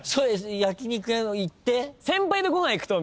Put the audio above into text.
焼き肉屋行って？